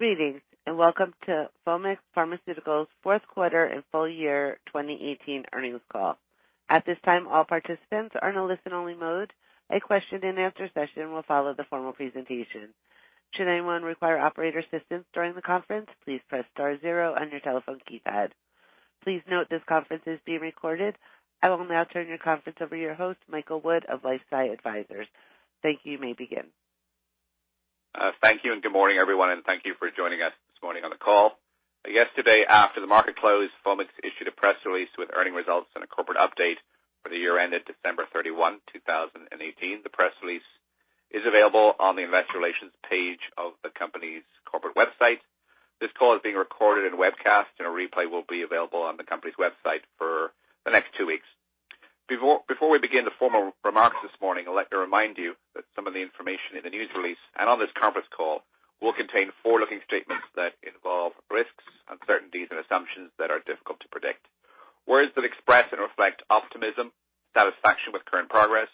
Greetings. Welcome to Foamix Pharmaceuticals' fourth quarter and full year 2018 earnings call. At this time, all participants are in a listen-only mode. A question and answer session will follow the formal presentation. Should anyone require operator assistance during the conference, please press star zero on your telephone keypad. Please note this conference is being recorded. I will now turn the conference over to your host, Michael Wood of LifeSci Advisors. Thank you. You may begin. Thank you. Good morning, everyone. Thank you for joining us this morning on the call. Yesterday, after the market closed, Foamix issued a press release with earnings results and a corporate update for the year ended December 31, 2018. The press release is available on the investor relations page of the company's corporate website. This call is being recorded and webcast. A replay will be available on the company's website for the next two weeks. Before we begin the formal remarks this morning, let me remind you that some of the information in the news release and on this conference call will contain forward-looking statements that involve risks, uncertainties, and assumptions that are difficult to predict. Words that express and reflect optimism, satisfaction with current progress,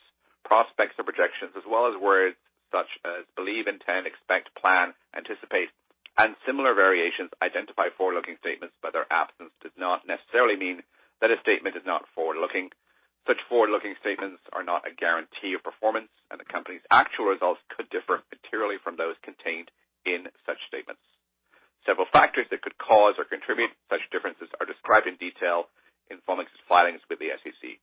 prospects or projections, as well as words such as believe, intend, expect, plan, anticipate, and similar variations identify forward-looking statements. Their absence does not necessarily mean that a statement is not forward-looking. Such forward-looking statements are not a guarantee of performance. The company's actual results could differ materially from those contained in such statements. Several factors that could cause or contribute such differences are described in detail in Foamix's filings with the SEC.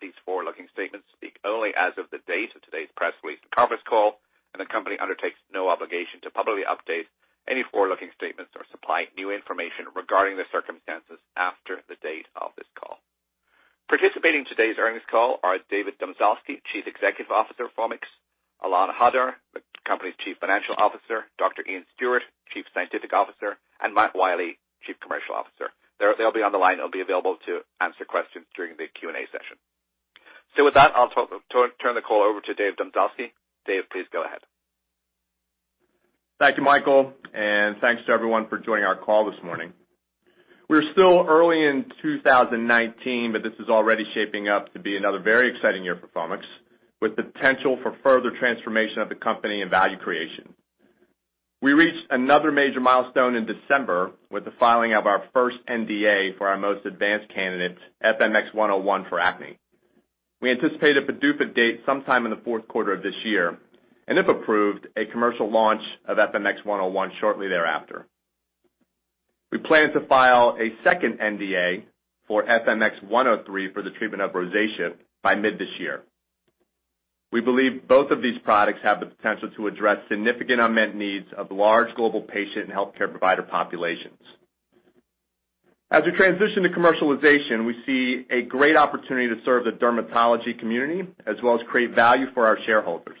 These forward-looking statements speak only as of the date of today's press release and conference call. The company undertakes no obligation to publicly update any forward-looking statements or supply new information regarding the circumstances after the date of this call. Participating in today's earnings call are David Domzalski, Chief Executive Officer of Foamix; Ilan Hadar, the company's Chief Financial Officer; Dr. Iain Stuart, Chief Scientific Officer; and Matt Wiley, Chief Commercial Officer. They'll be on the line and will be available to answer questions during the Q&A session. With that, I'll turn the call over to David Domzalski. Dave, please go ahead. Thank you, Michael, and thanks to everyone for joining our call this morning. We're still early in 2019, but this is already shaping up to be another very exciting year for Foamix, with the potential for further transformation of the company and value creation. We reached another major milestone in December with the filing of our first NDA for our most advanced candidate, FMX101 for acne. We anticipate a PDUFA date sometime in the fourth quarter of this year, and if approved, a commercial launch of FMX101 shortly thereafter. We plan to file a second NDA for FMX103 for the treatment of rosacea by mid this year. We believe both of these products have the potential to address significant unmet needs of large global patient and healthcare provider populations. As we transition to commercialization, we see a great opportunity to serve the dermatology community as well as create value for our shareholders.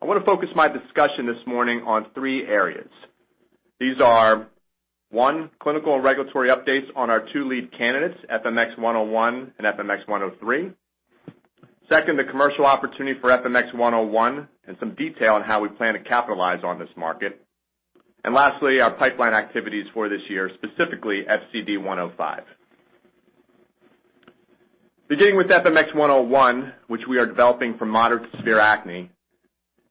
I want to focus my discussion this morning on three areas. These are, one, clinical and regulatory updates on our two lead candidates, FMX101 and FMX103. Second, the commercial opportunity for FMX101 and some detail on how we plan to capitalize on this market. Lastly, our pipeline activities for this year, specifically FCD105. Beginning with FMX101, which we are developing for moderate to severe acne,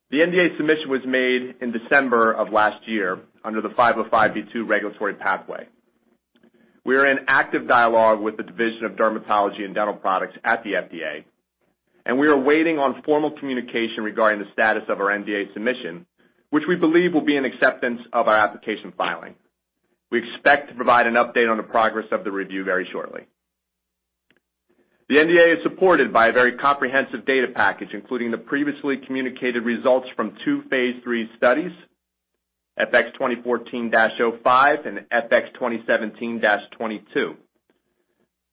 the NDA submission was made in December of last year under the 505(b)(2) regulatory pathway. We are in active dialogue with the Division of Dermatology and Dental Products at the FDA, and we are waiting on formal communication regarding the status of our NDA submission, which we believe will be an acceptance of our application filing. We expect to provide an update on the progress of the review very shortly. The NDA is supported by a very comprehensive data package, including the previously communicated results from two phase III studies, FX2014-05 and FX2017-22.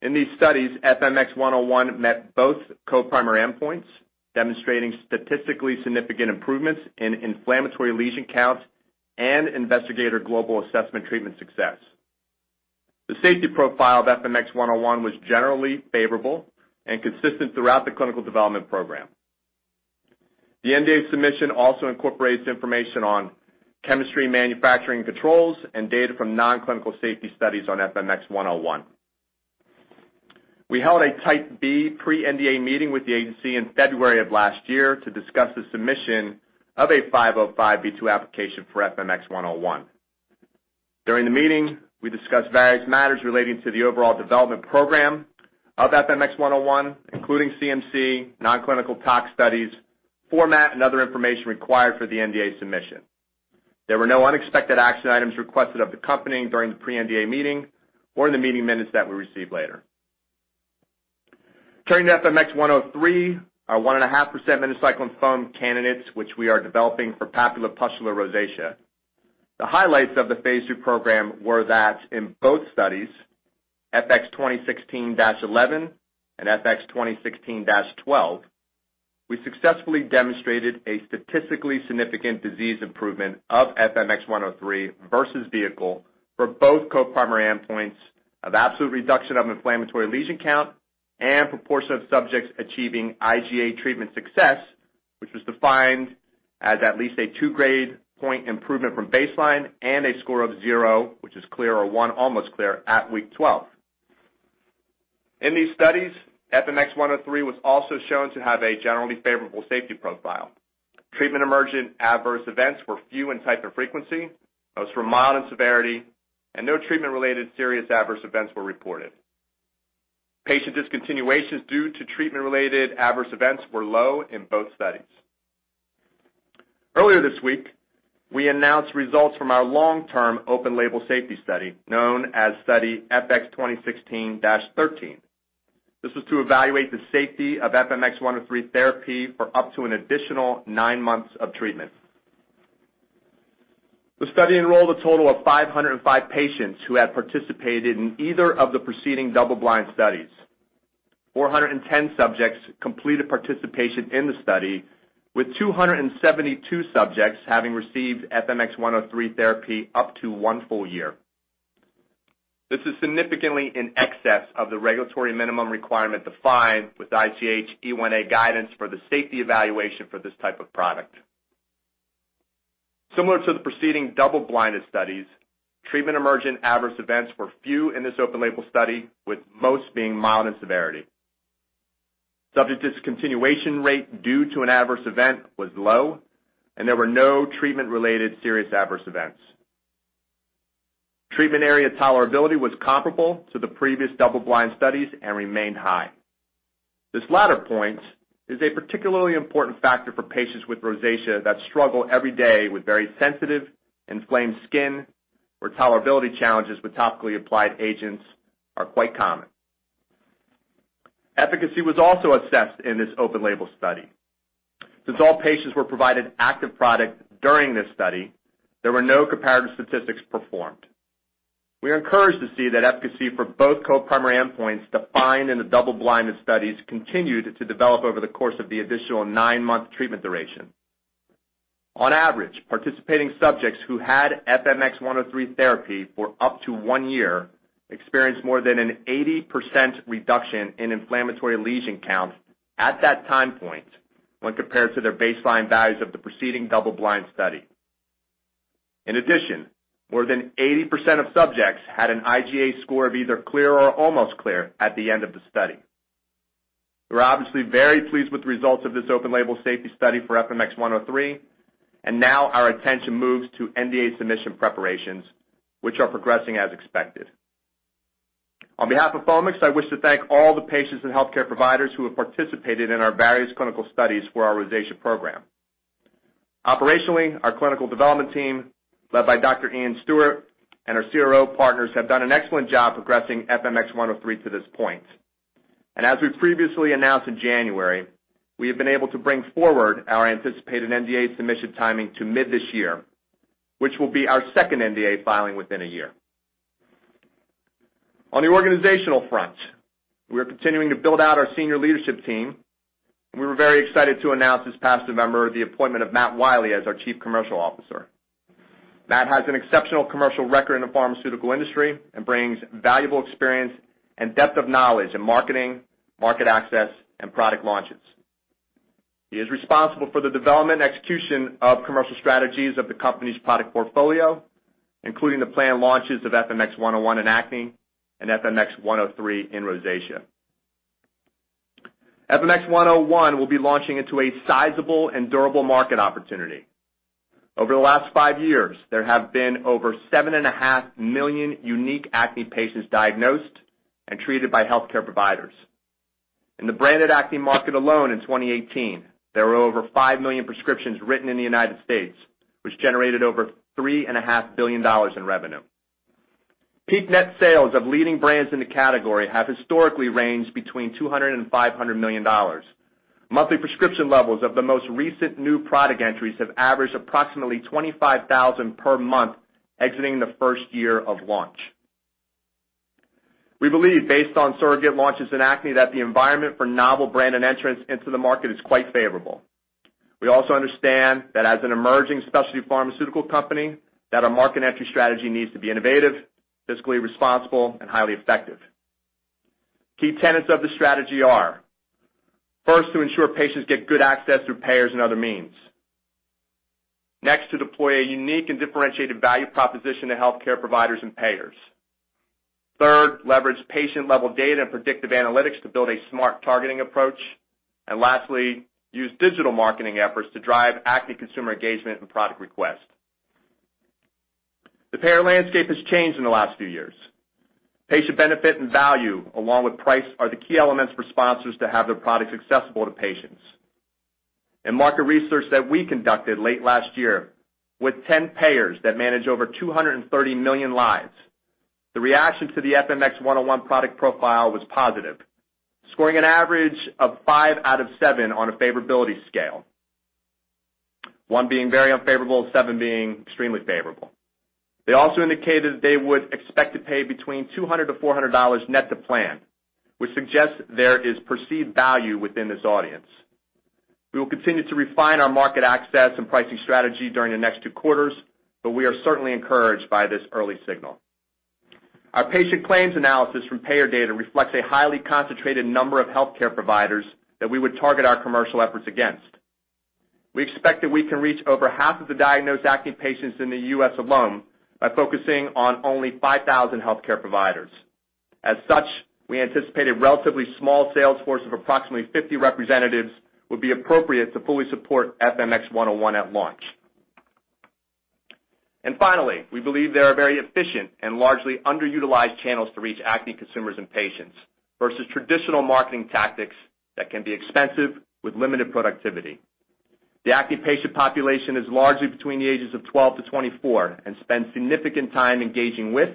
In these studies, FMX101 met both co-primary endpoints, demonstrating statistically significant improvements in inflammatory lesion counts and investigator global assessment treatment success. The safety profile of FMX101 was generally favorable and consistent throughout the clinical development program. The NDA submission also incorporates information on chemistry and manufacturing controls and data from nonclinical safety studies on FMX101. We held a Type B pre-NDA meeting with the agency in February of last year to discuss the submission of a 505(b)(2) application for FMX101. During the meeting, we discussed various matters relating to the overall development program of FMX101, including CMC, nonclinical tox studies, format, and other information required for the NDA submission. There were no unexpected action items requested of the company during the pre-NDA meeting or in the meeting minutes that we received later. Turning to FMX103, our 1.5% minocycline foam candidates, which we are developing for papulopustular rosacea. The highlights of the phase II program were that in both studies, FX2016-11 and FX2016-12, we successfully demonstrated a statistically significant disease improvement of FMX103 versus vehicle for both co-primary endpoints of absolute reduction of inflammatory lesion count and proportion of subjects achieving IGA treatment success, which was defined as at least a 2-grade point improvement from baseline and a score of 0, which is clear, or 1, almost clear, at Week 12. In these studies, FMX103 was also shown to have a generally favorable safety profile. Treatment-emergent adverse events were few in type and frequency, most were mild in severity, and no treatment-related serious adverse events were reported. Patient discontinuations due to treatment-related adverse events were low in both studies. Earlier this week, we announced results from our long-term open-label safety study, known as Study FX2016-13. This was to evaluate the safety of FMX103 therapy for up to an additional nine months of treatment. The study enrolled a total of 505 patients who had participated in either of the preceding double-blind studies. 410 subjects completed participation in the study, with 272 subjects having received FMX103 therapy up to one full year. This is significantly in excess of the regulatory minimum requirement defined with ICH E1A guidance for the safety evaluation for this type of product. Similar to the preceding double-blinded studies, treatment-emergent adverse events were few in this open-label study, with most being mild in severity. Subject discontinuation rate due to an adverse event was low, and there were no treatment-related serious adverse events. Treatment area tolerability was comparable to the previous double-blind studies and remained high. This latter point is a particularly important factor for patients with rosacea that struggle every day with very sensitive, inflamed skin, where tolerability challenges with topically applied agents are quite common. Efficacy was also assessed in this open-label study. Since all patients were provided active product during this study, there were no comparative statistics performed. We are encouraged to see that efficacy for both co-primary endpoints defined in the double-blinded studies continued to develop over the course of the additional nine-month treatment duration. On average, participating subjects who had FMX103 therapy for up to one year experienced more than an 80% reduction in inflammatory lesion counts at that time point when compared to their baseline values of the preceding double-blind study. In addition, more than 80% of subjects had an IGA score of either clear or almost clear at the end of the study. We're obviously very pleased with the results of this open-label safety study for FMX103, and now our attention moves to NDA submission preparations, which are progressing as expected. On behalf of Foamix, I wish to thank all the patients and healthcare providers who have participated in our various clinical studies for our rosacea program. Operationally, our clinical development team, led by Dr. Iain Stuart, and our CRO partners, have done an excellent job progressing FMX103 to this point. As we previously announced in January, we have been able to bring forward our anticipated NDA submission timing to mid this year, which will be our second NDA filing within a year. On the organizational front, we are continuing to build out our senior leadership team. We were very excited to announce this past November the appointment of Matt Wiley as our Chief Commercial Officer. Matt has an exceptional commercial record in the pharmaceutical industry and brings valuable experience and depth of knowledge in marketing, market access, and product launches. He is responsible for the development and execution of commercial strategies of the company's product portfolio, including the planned launches of FMX101 in acne and FMX103 in rosacea. FMX101 will be launching into a sizable and durable market opportunity. Over the last five years, there have been over 7.5 million unique acne patients diagnosed and treated by healthcare providers. In the branded acne market alone in 2018, there were over 5 million prescriptions written in the U.S., which generated over $3.5 billion in revenue. Peak net sales of leading brands in the category have historically ranged between $200 million and $500 million. Monthly prescription levels of the most recent new product entries have averaged approximately 25,000 per month exiting the first year of launch. We believe, based on surrogate launches in acne, that the environment for novel branded entrants into the market is quite favorable. We also understand that as an emerging specialty pharmaceutical company, that our market entry strategy needs to be innovative, fiscally responsible, and highly effective. Key tenets of the strategy are: first, to ensure patients get good access through payers and other means. Next, to deploy a unique and differentiated value proposition to healthcare providers and payers. Third, leverage patient-level data and predictive analytics to build a smart targeting approach. Lastly, use digital marketing efforts to drive active consumer engagement and product request. The payer landscape has changed in the last few years. Patient benefit and value, along with price, are the key elements for sponsors to have their products accessible to patients. In market research that we conducted late last year with 10 payers that manage over 230 million lives, the reaction to the FMX101 product profile was positive, scoring an average of 5 out of 7 on a favorability scale, 1 being very unfavorable and 7 being extremely favorable. They also indicated they would expect to pay between $200-$400 net to plan, which suggests there is perceived value within this audience. We will continue to refine our market access and pricing strategy during the next two quarters, but we are certainly encouraged by this early signal. Our patient claims analysis from payer data reflects a highly concentrated number of healthcare providers that we would target our commercial efforts against. We expect that we can reach over half of the diagnosed acne patients in the U.S. alone by focusing on only 5,000 healthcare providers. As such, we anticipate a relatively small sales force of approximately 50 representatives would be appropriate to fully support FMX101 at launch. Finally, we believe there are very efficient and largely underutilized channels to reach acne consumers and patients versus traditional marketing tactics that can be expensive with limited productivity. The acne patient population is largely between the ages of 12-24 and spend significant time engaging with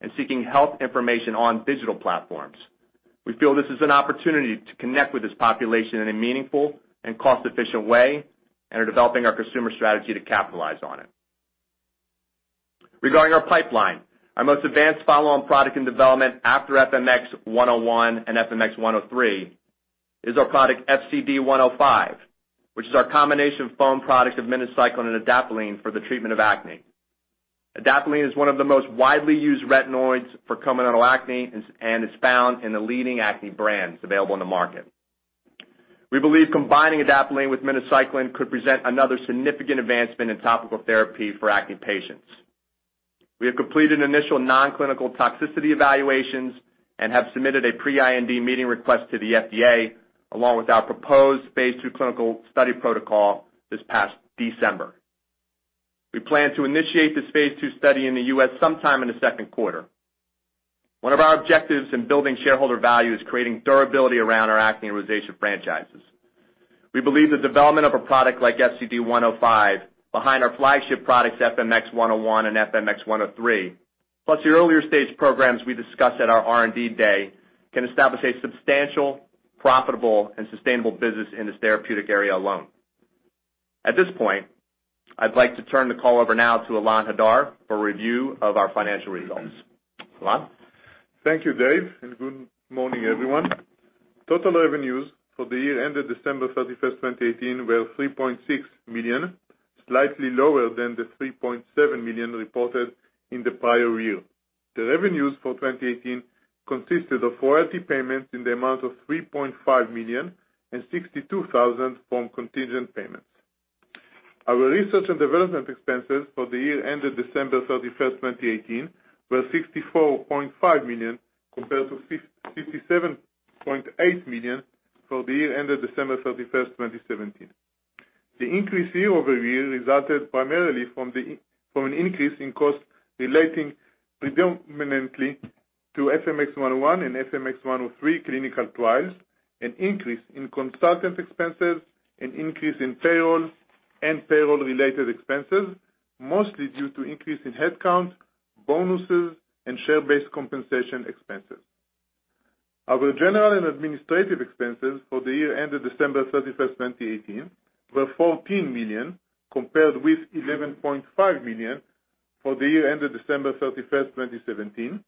and seeking health information on digital platforms. We feel this is an opportunity to connect with this population in a meaningful and cost-efficient way and are developing our consumer strategy to capitalize on it. Regarding our pipeline, our most advanced follow-on product in development after FMX101 and FMX103 is our product FCD105, which is our combination foam product of minocycline and adapalene for the treatment of acne. Adapalene is one of the most widely used retinoids for comedonal acne and is found in the leading acne brands available in the market. We believe combining adapalene with minocycline could present another significant advancement in topical therapy for acne patients. We have completed initial non-clinical toxicity evaluations and have submitted a pre-IND meeting request to the FDA, along with our proposed phase II clinical study protocol this past December. We plan to initiate this phase II study in the U.S. sometime in the second quarter. One of our objectives in building shareholder value is creating durability around our acne rosacea franchises. We believe the development of a product like FCD105 behind our flagship products, FMX101 and FMX103, plus the earlier-stage programs we discussed at our R&D day, can establish a substantial, profitable, and sustainable business in this therapeutic area alone. At this point, I'd like to turn the call over now to Ilan Hadar for review of our financial results. Ilan? Thank you, Dave, and good morning, everyone. Total revenues for the year ended December 31, 2018 were $3.6 million, slightly lower than the $3.7 million reported in the prior year. The revenues for 2018 consisted of royalty payments in the amount of $3.5 million and $62,000 from contingent payments. Our research and development expenses for the year ended December 31, 2018 were $64.5 million compared to $67.8 million for the year ended December 31, 2017. The increase year-over-year resulted primarily from an increase in cost relating predominantly to FMX101 and FMX103 clinical trials, an increase in consultant expenses, an increase in payroll and payroll-related expenses, mostly due to increase in headcount, bonuses, and share-based compensation expenses. Our general and administrative expenses for the year ended December 31, 2018 were $14 million, compared with $11.5 million for the year ended December 31, 2017.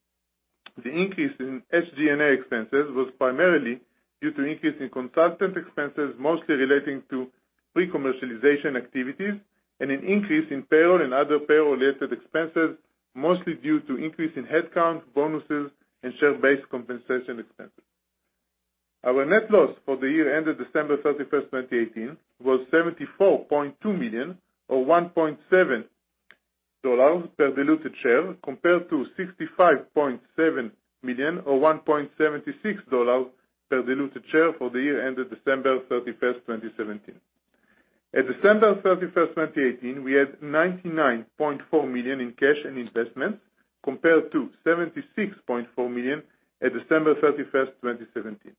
The increase in SG&A expenses was primarily due to an increase in consultant expenses, mostly relating to pre-commercialization activities and an increase in payroll and other payroll-related expenses, mostly due to increase in headcount, bonuses, and share-based compensation expenses. Our net loss for the year ended December 31, 2018 was $74.2 million, or $1.70 per diluted share, compared to $65.7 million, or $1.76 per diluted share for the year ended December 31, 2017. At December 31, 2018, we had $99.4 million in cash and investments, compared to $76.4 million at December 31, 2017.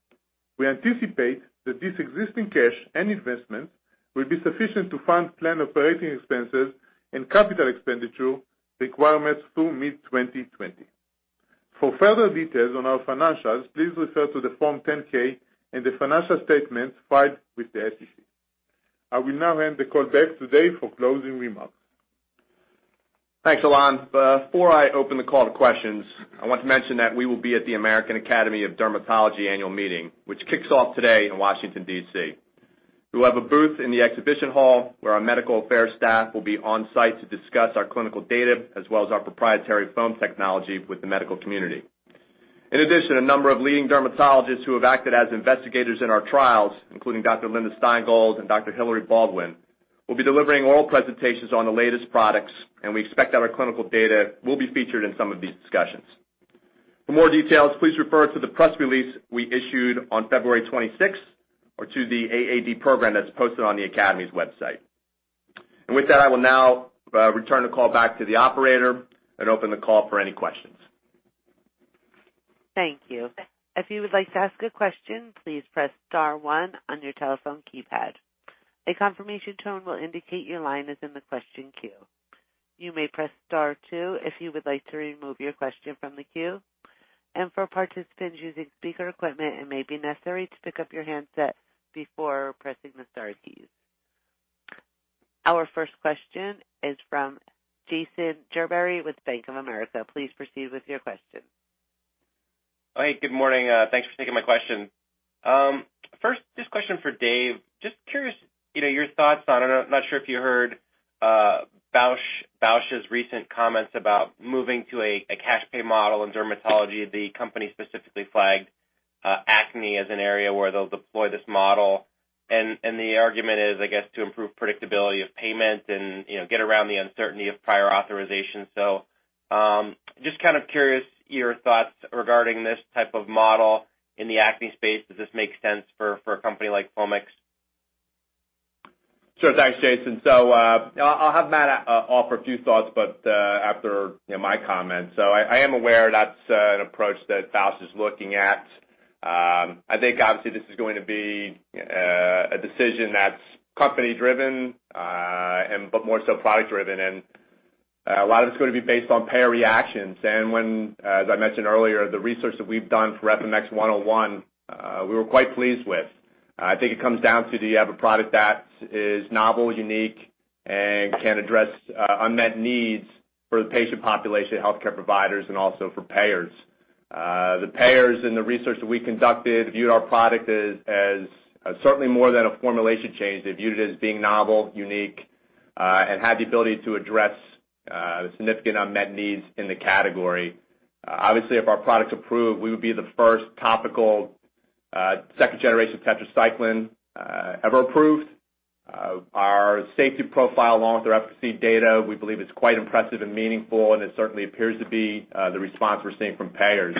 We anticipate that this existing cash and investment will be sufficient to fund planned operating expenses and capital expenditure requirements through mid-2020. For further details on our financials, please refer to the Form 10-K and the financial statements filed with the SEC. I will now hand the call back to Dave for closing remarks. Thanks, Ilan. Before I open the call to questions, I want to mention that we will be at the American Academy of Dermatology annual meeting, which kicks off today in Washington, D.C. We'll have a booth in the exhibition hall where our medical affairs staff will be on-site to discuss our clinical data as well as our proprietary foam technology with the medical community. In addition, a number of leading dermatologists who have acted as investigators in our trials, including Dr. Linda Stein Gold and Dr. Hilary Baldwin, will be delivering oral presentations on the latest products, and we expect that our clinical data will be featured in some of these discussions. For more details, please refer to the press release we issued on February 26th or to the AAD program that's posted on the Academy's website. With that, I will now return the call back to the operator and open the call for any questions. Thank you. If you would like to ask a question, please press star one on your telephone keypad. A confirmation tone will indicate your line is in the question queue. You may press star two if you would like to remove your question from the queue and for participants using speaker equipment, it may be necessary to pick up your handset before pressing the star keys. Our first question is from Jason Gerberry with Bank of America. Please proceed with your question. Hey, good morning. Thanks for taking my question. First, just question for Dave. Just curious, your thoughts on, I'm not sure if you heard, Bausch's recent comments about moving to a cash pay model in dermatology, the company specifically flagged acne as an area where they'll deploy this model. The argument is, I guess, to improve predictability of payment and get around the uncertainty of prior authorization. So, just kind of curious your thoughts regarding this type of model in the acne space. Does this make sense for a company like Foamix? Sure. Thanks, Jason. I'll have Matt offer a few thoughts, but after my comments. I am aware that's an approach that Bausch is looking at. I think obviously this is going to be a decision that's company driven, but more so product driven. A lot of it's going to be based on payer reactions. When, as I mentioned earlier, the research that we've done for FMX101, we were quite pleased with. I think it comes down to, do you have a product that is novel, unique, and can address unmet needs for the patient population, healthcare providers, and also for payers. The payers in the research that we conducted viewed our product as certainly more than a formulation change. They viewed it as being novel, unique, and had the ability to address significant unmet needs in the category. Obviously, if our product's approved, we would be the first topical, second generation tetracycline ever approved. Our safety profile, along with our efficacy data, we believe is quite impressive and meaningful, and it certainly appears to be the response we're seeing from payers.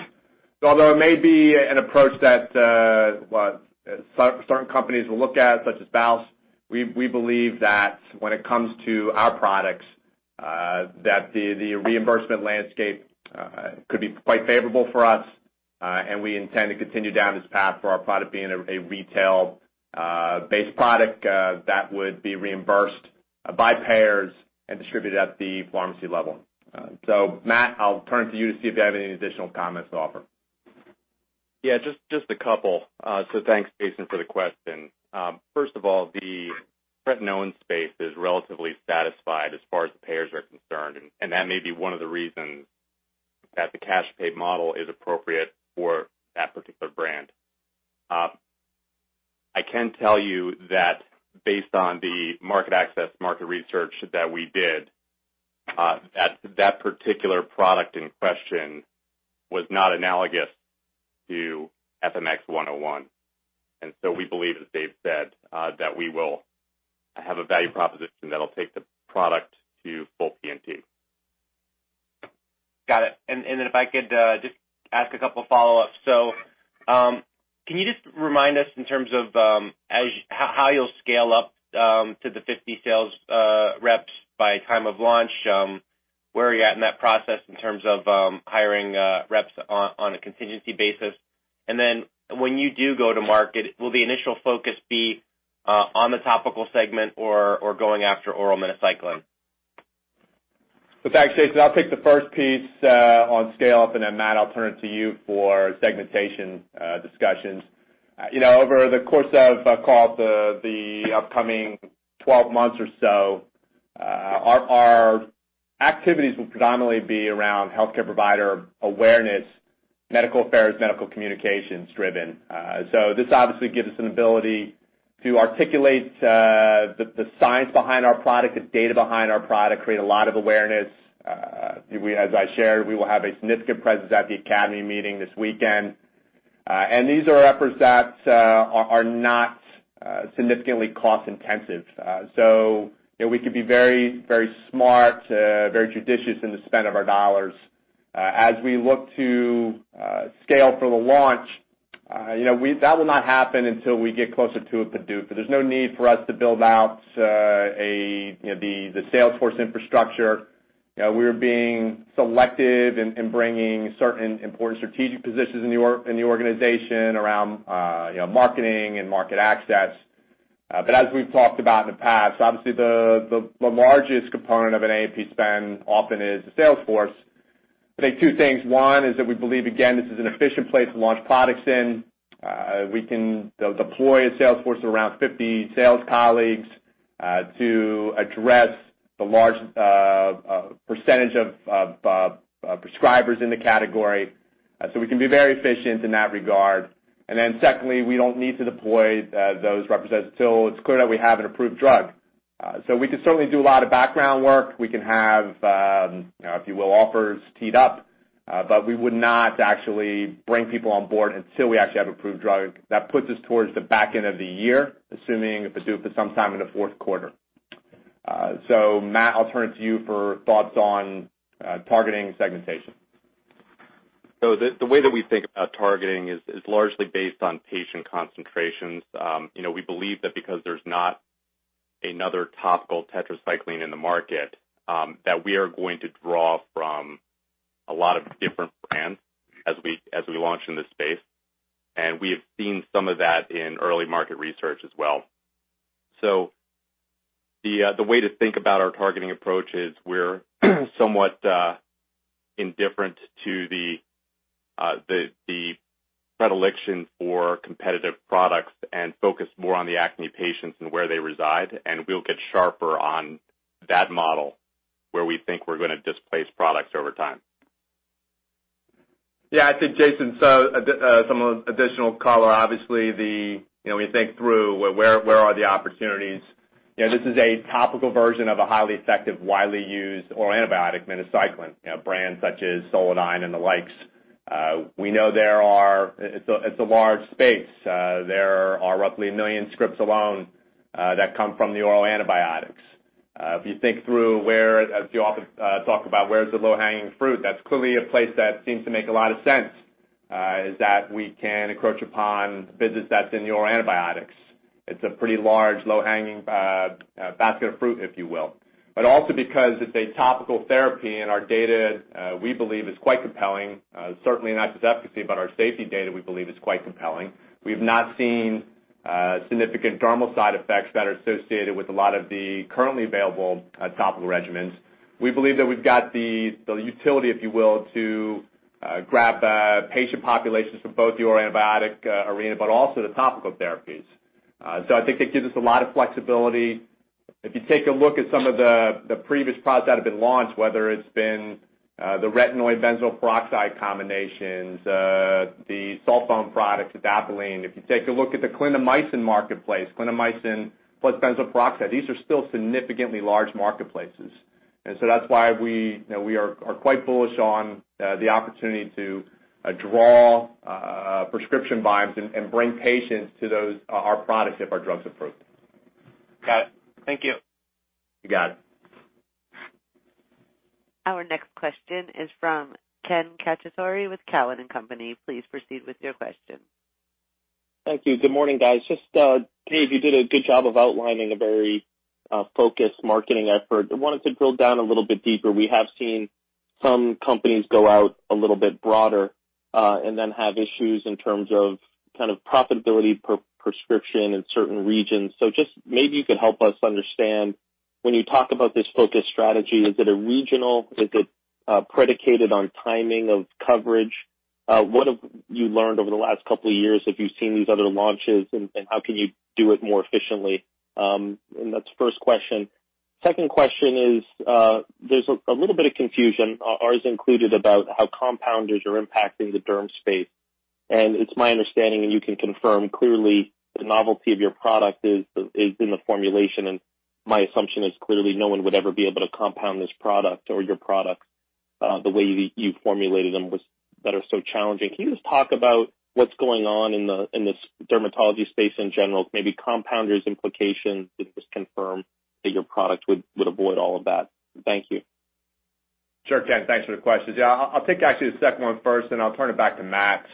Although it may be an approach that certain companies will look at, such as Bausch, we believe that when it comes to our products, that the reimbursement landscape could be quite favorable for us. We intend to continue down this path for our product being a retail-based product that would be reimbursed by payers and distributed at the pharmacy level. Matt, I'll turn it to you to see if you have any additional comments to offer. Yeah, just a couple. Thanks, Jason, for the question. First of all, the Retin-A space is relatively satisfied as far as the payers are concerned, and that may be one of the reasons that the cash pay model is appropriate for that particular brand. I can tell you that based on the market access, market research that we did, that particular product in question was not analogous to FMX101. We believe, as Dave said, that we will have a value proposition that'll take the product to full P&T. Got it. If I could just ask a couple follow-ups. Can you just remind us in terms of how you'll scale up to the 50 sales reps by time of launch? Where are you at in that process in terms of hiring reps on a contingency basis? When you do go to market, will the initial focus be on the topical segment or going after oral minocycline? Thanks, Jason. I'll take the first piece on scale up. Matt, I'll turn it to you for segmentation discussions. Over the course of, I'll call it the upcoming 12 months or so, our activities will predominantly be around healthcare provider awareness, medical affairs, medical communications driven. This obviously gives us an ability to articulate the science behind our product, the data behind our product, create a lot of awareness. As I shared, we will have a significant presence at the Academy meeting this weekend. These are efforts that are not significantly cost intensive. We could be very smart, very judicious in the spend of our dollars. As we look to scale for the launch, that will not happen until we get closer to a PDUFA. There's no need for us to build out the salesforce infrastructure. We're being selective in bringing certain important strategic positions in the organization around marketing and market access. As we've talked about in the past, obviously the largest component of an A&P spend often is the salesforce. I think two things. One is that we believe, again, this is an efficient place to launch products in. We can deploy a salesforce of around 50 sales colleagues, to address the large percentage of prescribers in the category. We can be very efficient in that regard. Secondly, we don't need to deploy those representatives until it's clear that we have an approved drug. We can certainly do a lot of background work. We can have, if you will, offers teed up. We would not actually bring people on board until we actually have an approved drug. That puts us towards the back end of the year, assuming PDUFA for some time in the fourth quarter. Matt, I'll turn it to you for thoughts on targeting segmentation. The way that we think about targeting is largely based on patient concentrations. We believe that because there's not another topical tetracycline in the market, that we are going to draw from a lot of different brands as we launch in this space. We have seen some of that in early market research as well. The way to think about our targeting approach is we're somewhat indifferent to the predilection for competitive products and focus more on the acne patients and where they reside, and we'll get sharper on that model, where we think we're going to displace products over time. Yeah, I think, Jason, some additional color, obviously when you think through where are the opportunities, this is a topical version of a highly effective, widely used oral antibiotic minocycline, brands such as SOLODYN and the likes. We know it's a large space. There are roughly 1 million scripts alone that come from the oral antibiotics. If you think through where, as you often talk about, where's the low-hanging fruit, that's clearly a place that seems to make a lot of sense, is that we can encroach upon business that's in the oral antibiotics. It's a pretty large, low-hanging basket of fruit, if you will. Also because it's a topical therapy and our data, we believe, is quite compelling. Certainly not the efficacy, but our safety data, we believe, is quite compelling. We've not seen significant dermal side effects that are associated with a lot of the currently available topical regimens. We believe that we've got the utility, if you will, to grab patient populations from both the oral antibiotic arena, but also the topical therapies. I think it gives us a lot of flexibility. If you take a look at some of the previous products that have been launched, whether it's been the retinoid/benzoyl peroxide combinations, the sulfone products, adapalene. If you take a look at the clindamycin marketplace, clindamycin plus benzoyl peroxide, these are still significantly large marketplaces. That's why we are quite bullish on the opportunity to draw prescription volumes and bring patients to our products if our drug's approved. Got it. Thank you. You got it. Our next question is from Ken Cacciatore with Cowen and Company. Please proceed with your question. Thank you. Good morning, guys. Just, Dave, you did a good job of outlining a very focused marketing effort. I wanted to drill down a little bit deeper. We have seen some companies go out a little bit broader and then have issues in terms of profitability per prescription in certain regions. Just maybe you could help us understand, when you talk about this focused strategy, is it a regional, is it predicated on timing of coverage? What have you learned over the last couple of years if you've seen these other launches, and how can you do it more efficiently? That's the first question. Second question is there's a little bit of confusion, ours included, about how compounders are impacting the derm space. It's my understanding, and you can confirm, clearly the novelty of your product is in the formulation, and my assumption is clearly no one would ever be able to compound this product or your products the way that you formulated them that are so challenging. Can you just talk about what's going on in this dermatology space in general, maybe compounders implication, and just confirm that your product would avoid all of that? Thank you. Sure, Ken. Thanks for the questions. Yeah, I'll take actually the second one first, and I'll turn it back to Matt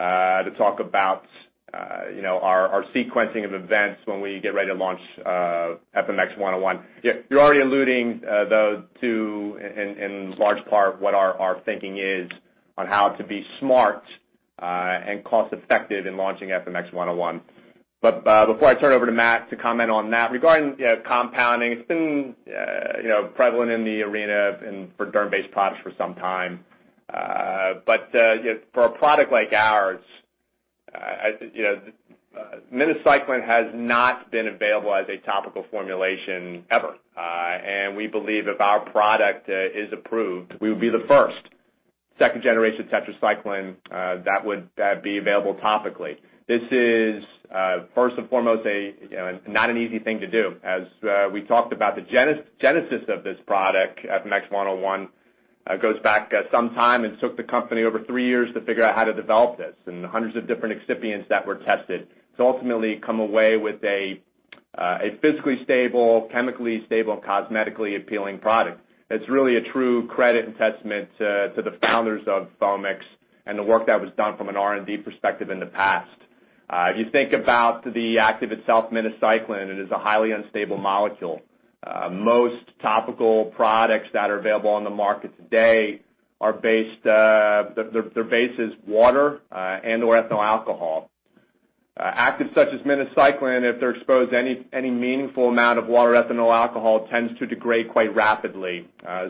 to talk about our sequencing of events when we get ready to launch FMX101. You're already alluding, though, to, in large part, what our thinking is on how to be smart and cost-effective in launching FMX101. Before I turn it over to Matt to comment on that, regarding compounding, it's been prevalent in the arena for derm-based products for some time. For a product like ours, minocycline has not been available as a topical formulation ever. We believe if our product is approved, we would be the first 2nd-generation tetracycline that would be available topically. This is first and foremost not an easy thing to do. As we talked about the genesis of this product, FMX101, goes back some time and took the company over three years to figure out how to develop this and hundreds of different excipients that were tested to ultimately come away with a physically stable, chemically stable, cosmetically appealing product. It's really a true credit and testament to the founders of Foamix and the work that was done from an R&D perspective in the past. If you think about the active itself, minocycline, it is a highly unstable molecule. Most topical products that are available on the market today, their base is water and/or ethanol alcohol. Active such as minocycline, if they're exposed any meaningful amount of water ethanol alcohol tends to degrade quite rapidly.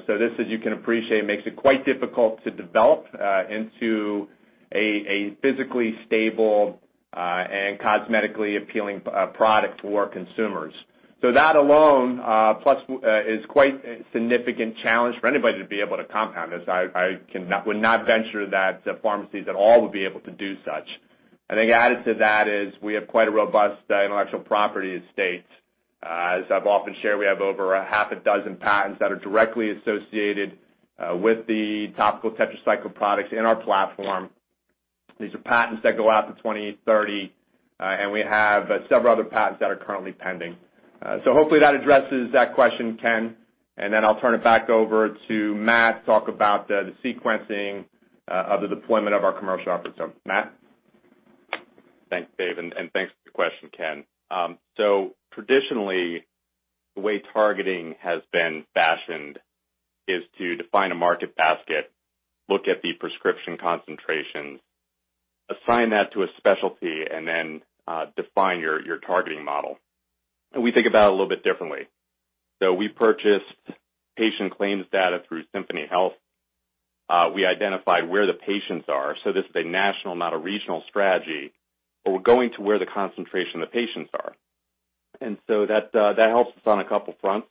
This, as you can appreciate, makes it quite difficult to develop into a physically stable and cosmetically appealing product for consumers. That alone plus is quite a significant challenge for anybody to be able to compound this. I would not venture that pharmacies at all would be able to do such. I think added to that is we have quite a robust intellectual property estate. As I've often shared, we have over a half a dozen patents that are directly associated with the topical tetracycline products in our platform. These are patents that go out to 2030, and we have several other patents that are currently pending. Hopefully that addresses that question, Ken, and then I'll turn it back over to Matt to talk about the sequencing of the deployment of our commercial efforts. Matt? Thanks, Dave, and thanks for the question, Ken. Traditionally, the way targeting has been fashioned is to define a market basket, look at the prescription concentrations, assign that to a specialty, and then define your targeting model. We think about it a little bit differently. We purchased patient claims data through Symphony Health. We identified where the patients are. This is a national, not a regional strategy, but we're going to where the concentration of the patients are. That helps us on a couple fronts.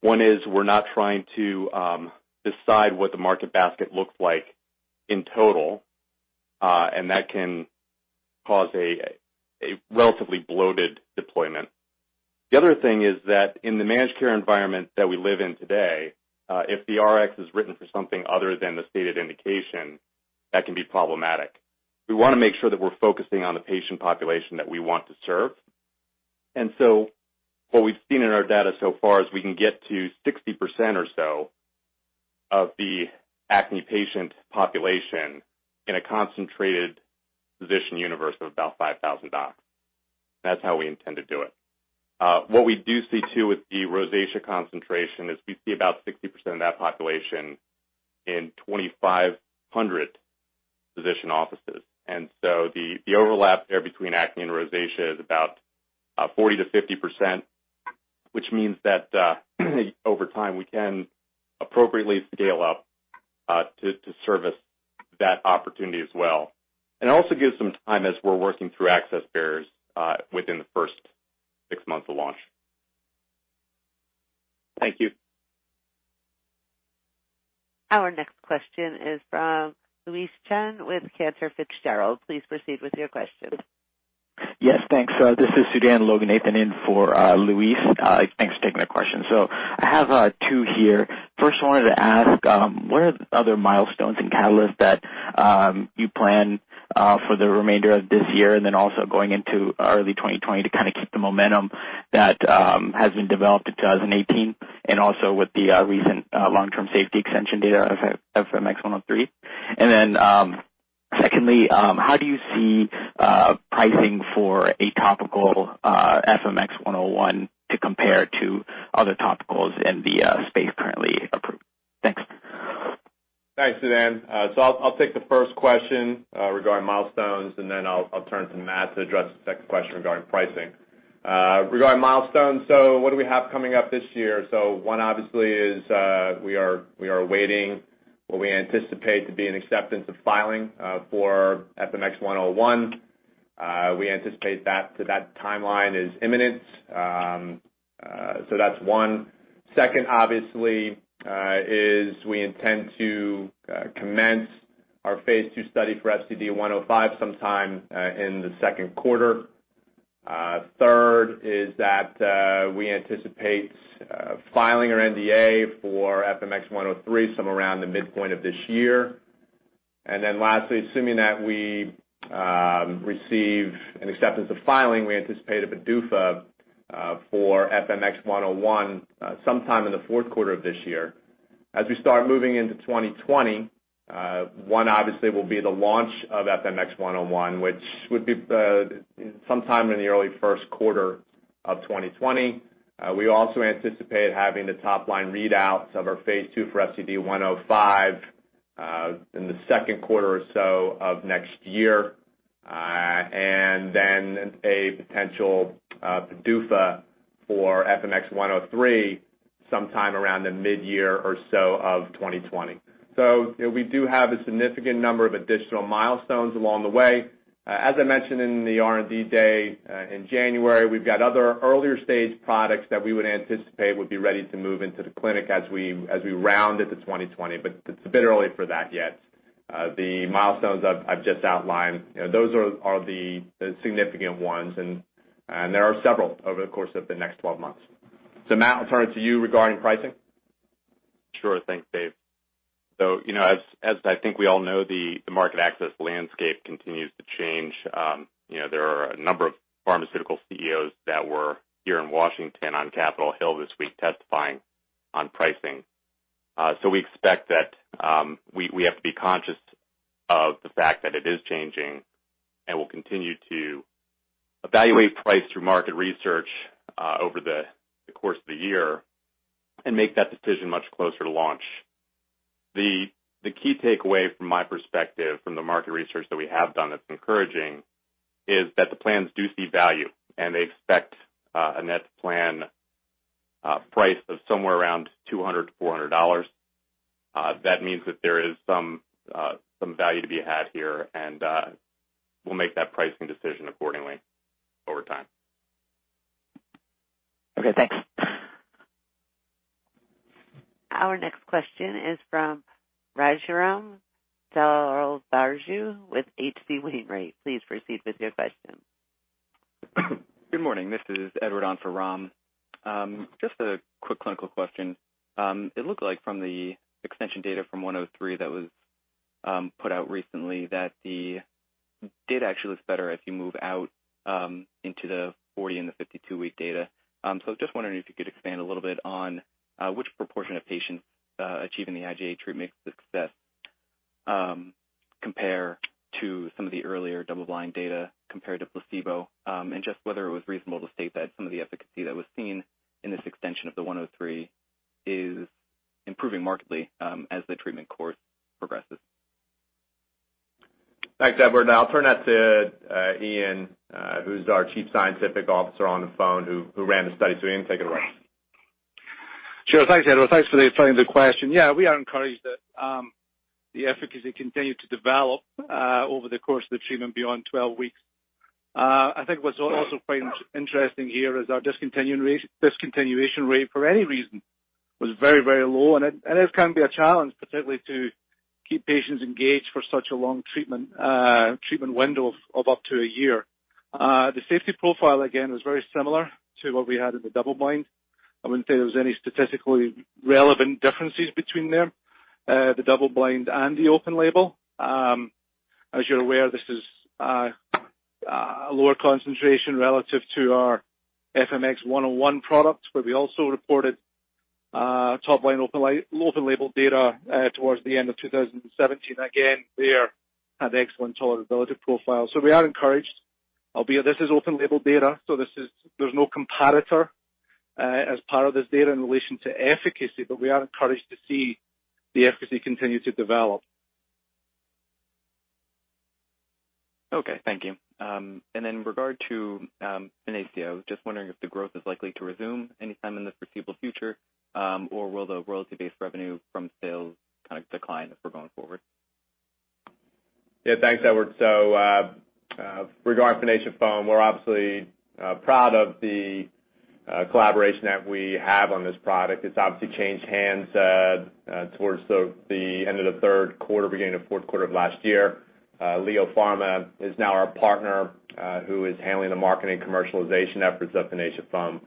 One is we're not trying to decide what the market basket looks like in total, and that can cause a relatively bloated deployment. The other thing is that in the managed care environment that we live in today, if the Rx is written for something other than the stated indication, that can be problematic. We want to make sure that we're focusing on the patient population that we want to serve. What we've seen in our data so far is we can get to 60% or so of the acne patient population in a concentrated physician universe of about 5,000 docs. That's how we intend to do it. What we do see, too, with the rosacea concentration is we see about 60% of that population in 2,500 physician offices. The overlap there between acne and rosacea is about 40%-50%, which means that over time, we can appropriately scale up to service that opportunity as well. It also gives some time as we're working through access barriers within the first six months of launch. Thank you. Our next question is from Louise Chen with Cantor Fitzgerald. Please proceed with your question. Yes, thanks. This is Sudan Loganathan in for Louise. Thanks for taking my question. I have two here. First, I wanted to ask, what are the other milestones and catalysts that you plan for the remainder of this year, then also going into early 2020 to kind of keep the momentum that has been developed in 2018 and also with the recent long-term safety extension data of FMX103? Secondly, how do you see pricing for a topical FMX101 to compare to other topicals in the space currently approved? Thanks. Thanks, Sudan. I'll take the first question regarding milestones, then I'll turn to Matt to address the second question regarding pricing. Regarding milestones, what do we have coming up this year? One obviously is we are waiting what we anticipate to be an acceptance of filing for FMX101. We anticipate that timeline is imminent. That's one. Second, obviously, is we intend to commence our phase II study for FCD105 sometime in the second quarter. Third is that we anticipate filing our NDA for FMX103 somewhere around the midpoint of this year. Lastly, assuming that we receive an acceptance of filing, we anticipate a PDUFA for FMX101 sometime in the fourth quarter of this year. As we start moving into 2020, one obviously will be the launch of FMX101, which would be sometime in the early first quarter of 2020. We also anticipate having the top-line readouts of our phase II for FCD105 in the second quarter or so of next year, and then a potential PDUFA for FMX103 sometime around the mid-year or so of 2020. We do have a significant number of additional milestones along the way. As I mentioned in the R&D day in January, we've got other earlier-stage products that we would anticipate would be ready to move into the clinic as we round into 2020, but it's a bit early for that yet. The milestones I've just outlined, those are the significant ones, and there are several over the course of the next 12 months. Matt, I'll turn it to you regarding pricing. Sure. Thanks, Dave. As I think we all know, the market access landscape continues to change. There are a number of pharmaceutical CEOs that were here in Washington on Capitol Hill this week testifying on pricing. We expect that we have to be conscious of the fact that it is changing and will continue to evaluate price through market research over the course of the year and make that decision much closer to launch. The key takeaway from my perspective from the market research that we have done that's encouraging is that the plans do see value, and they expect a net plan price of somewhere around $200-$400. That means that there is some value to be had here, and we'll make that pricing decision accordingly over time. Okay, thanks. Our next question is from Raghuram Selvaraju with H.C. Wainwright & Co. Please proceed with your question. Good morning. This is Edward on for Raghuram. Just a quick clinical question. It looked like from the extension data from FMX103 that was put out recently that the data actually looks better if you move out into the 40 and the 52-week data. Just wondering if you could expand a little bit on which proportion of patients achieving the IGA treatment success compare to some of the earlier double-blind data compared to placebo, and just whether it was reasonable to state that some of the efficacy that was seen in this extension of the FMX103 is improving markedly as the treatment course progresses. Thanks, Edward. I'll turn that to Iain, who's our Chief Scientific Officer, on the phone, who ran the study. Iain, take it away. Sure. Thanks, Edward. Thanks for the question. Yeah, we are encouraged that the efficacy continued to develop over the course of the treatment beyond 12 weeks. I think what's also quite interesting here is our discontinuation rate for any reason was very low. It can be a challenge, particularly to keep patients engaged for such a long treatment window of up to a year. The safety profile, again, is very similar to what we had in the double-blind. I wouldn't say there was any statistically relevant differences between them, the double-blind and the open label. As you're aware, this is a lower concentration relative to our FMX101 product, where we also reported top line open label data towards the end of 2017. Again, there had excellent tolerability profile. We are encouraged. Albeit, this is open label data, so there's no comparator as part of this data in relation to efficacy. We are encouraged to see the efficacy continue to develop. Okay. Thank you. In regard to Finacea, I was just wondering if the growth is likely to resume anytime in the foreseeable future. Will the royalty-based revenue from sales decline if we're going forward? Yeah. Thanks, Edward. Regarding Finacea foam, we're obviously proud of the collaboration that we have on this product. It's obviously changed hands towards the end of the third quarter, beginning of fourth quarter of last year. LEO Pharma is now our partner who is handling the marketing commercialization efforts of Finacea foam.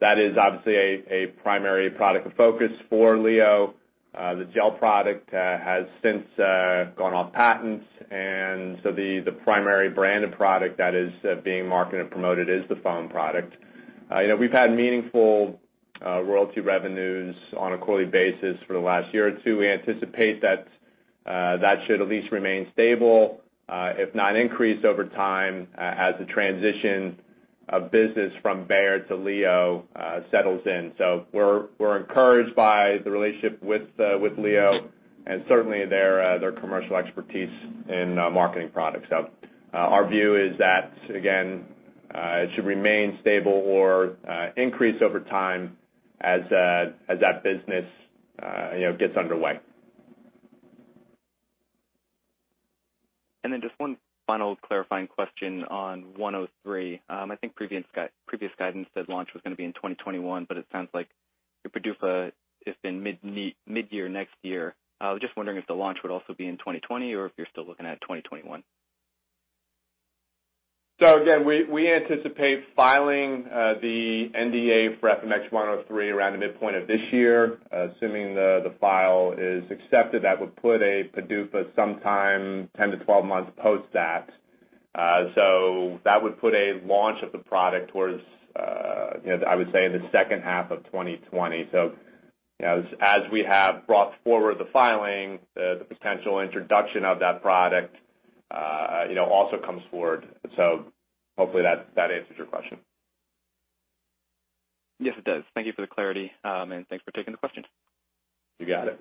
That is obviously a primary product of focus for LEO. The gel product has since gone off patent. The primary branded product that is being marketed and promoted is the foam product. We've had meaningful royalty revenues on a quarterly basis for the last year or two. We anticipate that should at least remain stable, if not increase over time, as the transition of business from Bayer to LEO settles in. We're encouraged by the relationship with LEO and certainly their commercial expertise in marketing products. Our view is that, again, it should remain stable or increase over time as that business gets underway. Just one final clarifying question on FMX103. I think previous guidance said launch was going to be in 2021, it sounds like your PDUFA is in mid-year next year. I was just wondering if the launch would also be in 2020 or if you're still looking at 2021. Again, we anticipate filing the NDA for FMX103 around the midpoint of this year. Assuming the file is accepted, that would put a PDUFA sometime 10 to 12 months post that. That would put a launch of the product towards, I would say the second half of 2020. As we have brought forward the filing, the potential introduction of that product also comes forward. Hopefully that answers your question. Yes, it does. Thank you for the clarity, and thanks for taking the question. You got it.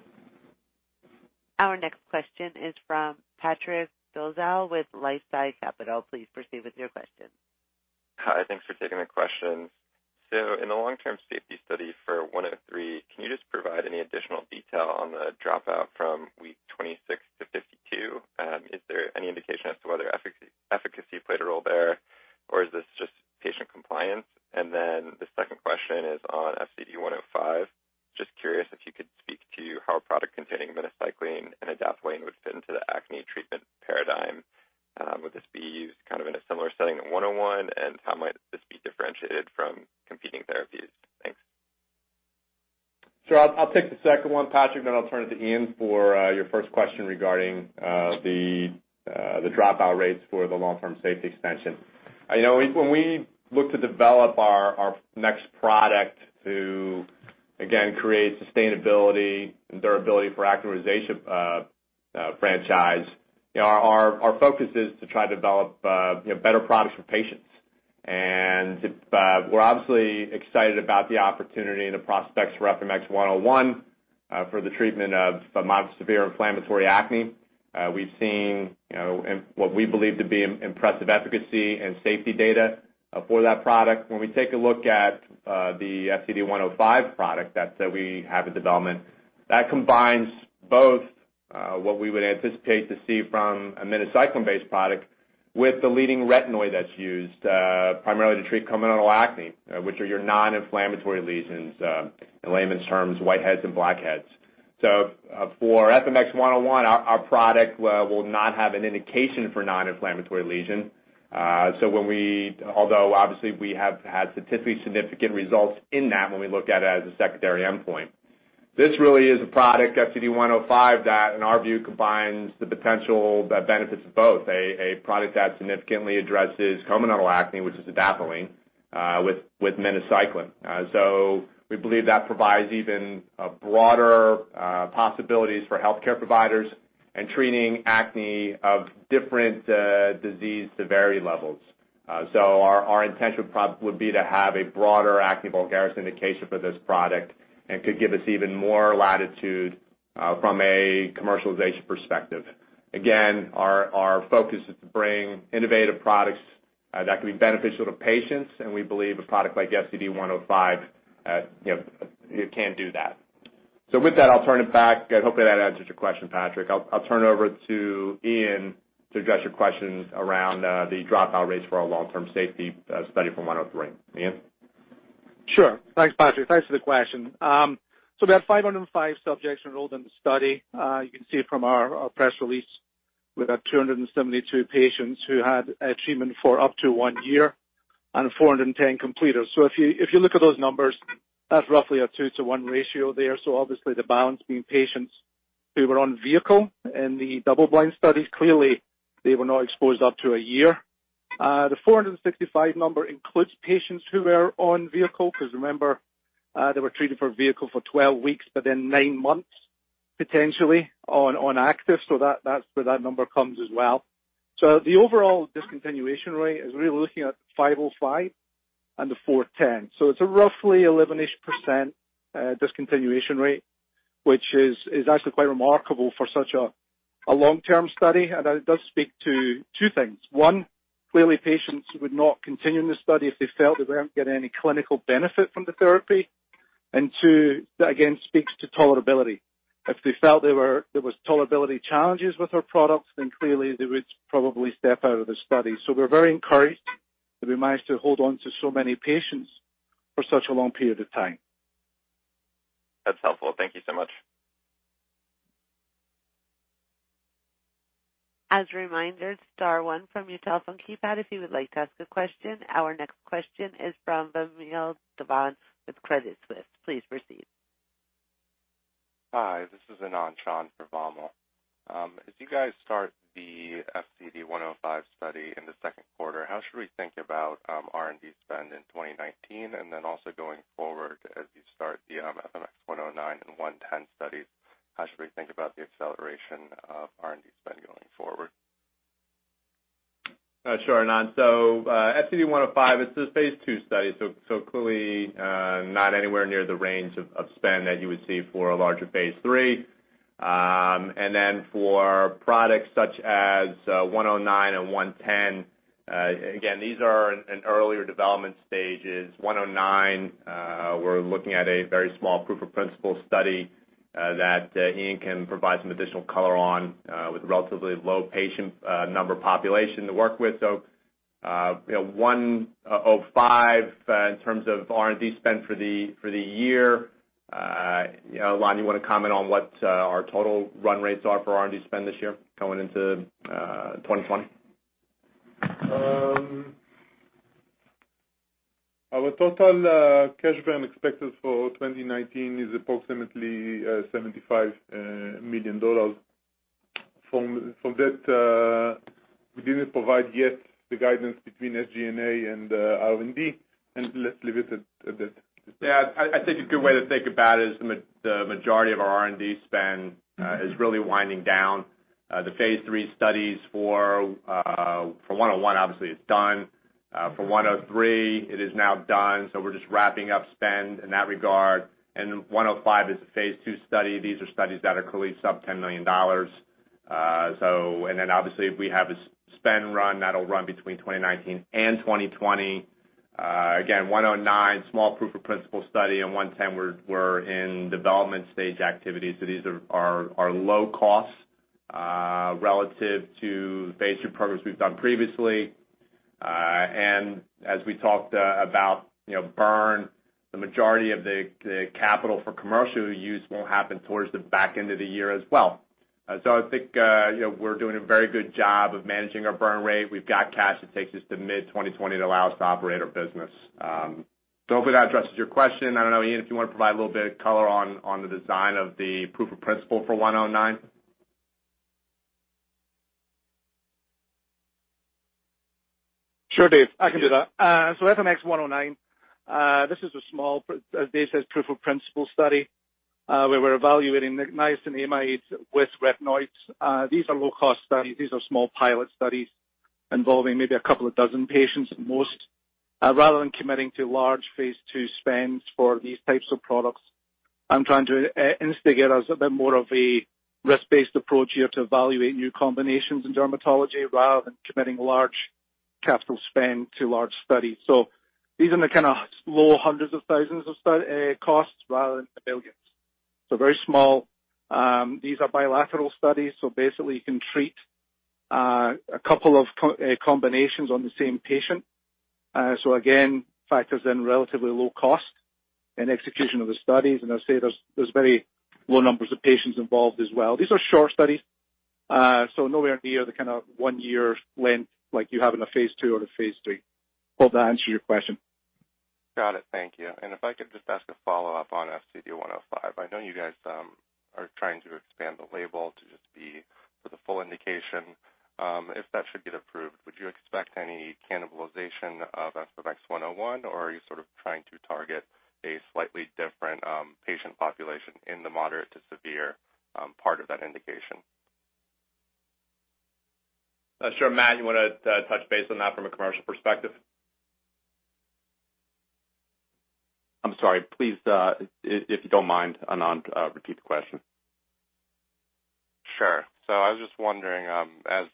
Our next question is from Patrick Dolezal with LifeSci Capital. Please proceed with your question. Hi. Thanks for taking the question. In the long-term safety study for FMX103, can you just provide any additional detail on the dropout from week 26-52? Is there any indication as to whether efficacy played a role there, or is this just patient compliance? The second question is on FCD105. Just curious if you could speak to how a product containing minocycline and adapalene would fit into the acne treatment paradigm. Would this be used in a similar setting to FMX101, and how might this be differentiated from competing therapies? Thanks. I'll take the second one, Patrick, then I'll turn it to Iain for your first question regarding the dropout rates for the long-term safety extension. When we look to develop our next product to, again, create sustainability and durability for our acne franchise, our focus is to try to develop better products for patients. We're obviously excited about the opportunity and the prospects for FMX101 for the treatment of mild to severe inflammatory acne. We've seen what we believe to be impressive efficacy and safety data for that product. When we take a look at the FCD105 product that we have in development, that combines both what we would anticipate to see from a minocycline-based product with the leading retinoid that's used primarily to treat comedonal acne, which are your non-inflammatory lesions. In layman's terms, whiteheads and blackheads. For FMX101, our product will not have an indication for non-inflammatory lesion. Although obviously we have had statistically significant results in that when we look at it as a secondary endpoint. This really is a product, FCD105, that in our view combines the potential benefits of both. A product that significantly addresses comedonal acne, which is adapalene with minocycline. We believe that provides even broader possibilities for healthcare providers in treating acne of different disease severity levels. Our intention would be to have a broader acne vulgaris indication for this product and could give us even more latitude from a commercialization perspective. Again, our focus is to bring innovative products that can be beneficial to patients, and we believe a product like FCD105 can do that. With that, I'll turn it back. I hope that answers your question, Patrick. I'll turn it over to Iain to address your questions around the dropout rates for our long-term safety study from FMX103. Iain? Sure. Thanks, Patrick. Thanks for the question. We had 505 subjects enrolled in the study. You can see from our press release, we've had 272 patients who had treatment for up to one year and 410 completers. If you look at those numbers, that's roughly a two to one ratio there. Obviously the balance being patients who were on vehicle in the double-blind studies. Clearly, they were not exposed up to a year. The 465 number includes patients who were on vehicle, because remember, they were treated for vehicle for 12 weeks, but then nine months potentially on active. That's where that number comes as well. The overall discontinuation rate is really looking at 505 and the 410. It's a roughly 11-ish% discontinuation rate, which is actually quite remarkable for such a long-term study, and it does speak to two things. One, clearly patients would not continue in the study if they felt they weren't getting any clinical benefit from the therapy, and two, that again speaks to tolerability. If they felt there was tolerability challenges with our products, then clearly they would probably step out of the study. We're very encouraged that we managed to hold on to so many patients for such a long period of time. That's helpful. Thank you so much. As a reminder, star one from your telephone keypad if you would like to ask a question. Our next question is from Vamil Divan with Credit Suisse. Please proceed. Hi, this is Anan on for Vamil. As you guys start the FCD105 study in the second quarter, how should we think about R&D spend in 2019, and then also going forward as you start the FMX109 and FMX110 studies, how should we think about the acceleration of R&D spend going forward? Sure, Anan. FCD105, it's a phase II study, clearly not anywhere near the range of spend that you would see for a larger phase III. For products such as FMX109 and FMX110, again, these are in earlier development stages. FMX109, we're looking at a very small proof of principle study that Iain can provide some additional color on with relatively low patient number population to work with. FCD105, in terms of R&D spend for the year. Ilan, you want to comment on what our total run rates are for R&D spend this year going into 2020? Our total cash burn expected for 2019 is approximately $75 million. From that, we didn't provide yet the guidance between SG&A and R&D, and let's leave it at that. Yeah, I think a good way to think about it is the majority of our R&D spend is really winding down. The phase III studies for FMX101 obviously is done. For FMX103, it is now done, so we're just wrapping up spend in that regard. FCD105 is a phase II study. These are studies that are clearly sub-$10 million. Obviously, if we have a spend run, that'll run between 2019 and 2020. Again, FMX109, small proof of principle study, and FMX110, we're in development stage activity. These are low cost relative to phase III programs we've done previously. As we talked about burn, the majority of the capital for commercial use won't happen towards the back end of the year as well. I think we're doing a very good job of managing our burn rate. We've got cash that takes us to mid-2020 that allows us to operate our business. Hopefully that addresses your question. I don't know, Iain, if you want to provide a little bit of color on the design of the proof of principle for FMX109. Sure, Dave. I can do that. FMX109, this is a small, as Dave says, proof of principle study where we're evaluating niacinamide with retinoids. These are low-cost studies. These are small pilot studies involving maybe a couple of dozen patients at most. Rather than committing to large phase II spends for these types of products, I'm trying to instigate a bit more of a risk-based approach here to evaluate new combinations in dermatology rather than committing large capital spend to large studies. These are in the kind of low hundreds of thousands of costs rather than the millions. Very small. These are bilateral studies, basically you can treat a couple of combinations on the same patient. Again, factors in relatively low cost in execution of the studies. I'll say there's very low numbers of patients involved as well. These are short studies nowhere near the kind of one-year length like you have in a phase II or a phase III. Hope that answers your question. Got it. Thank you. If I could just ask a follow-up on FCD105. I know you guys are trying to expand the label to just be for the full indication. If that should get approved, would you expect any cannibalization of FMX101, or are you sort of trying to target a slightly different patient population in the moderate-to-severe part of that indication? Sure. Matt, you want to touch base on that from a commercial perspective? I'm sorry, please if you don't mind, Anan, repeat the question. Sure. I was just wondering, as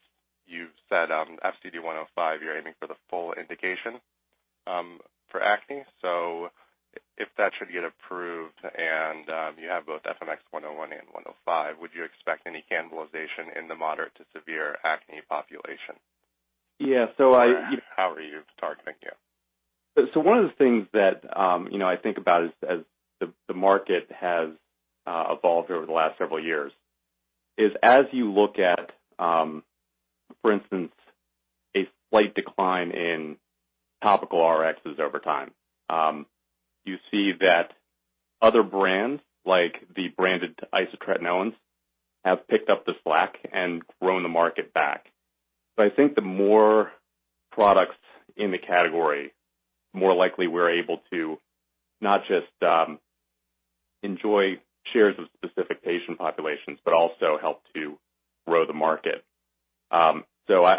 you've said, FCD105, you're aiming for the full indication for acne. If that should get approved and you have both FMX101 and FCD105, would you expect any cannibalization in the moderate-to-severe acne population? How are you targeting it? One of the things that I think about as the market has evolved over the last several years is as you look at, for instance, a slight decline in topical RXs over time, you see that other brands, like the branded isotretinoin, have picked up the slack and grown the market back. I think the more products in the category, more likely we're able to not just enjoy shares of specific patient populations, but also help to grow the market.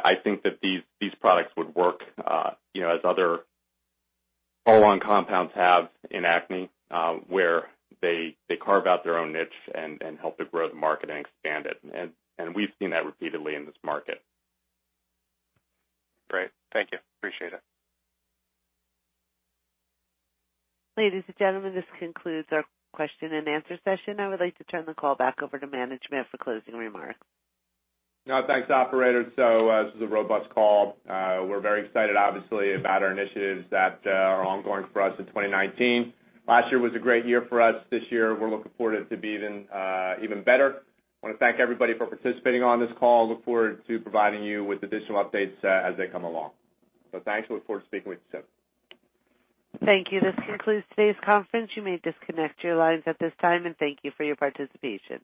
I think that these products would work as other follow-on compounds have in acne, where they carve out their own niche and help to grow the market and expand it. We've seen that repeatedly in this market. Great. Thank you. Appreciate it. Ladies and gentlemen, this concludes our question and answer session. I would like to turn the call back over to management for closing remarks. Thanks, operator. This was a robust call. We're very excited, obviously, about our initiatives that are ongoing for us in 2019. Last year was a great year for us. This year, we're looking forward to it to be even better. I want to thank everybody for participating on this call. Look forward to providing you with additional updates as they come along. Thanks. Look forward to speaking with you soon. Thank you. This concludes today's conference. You may disconnect your lines at this time, and thank you for your participation.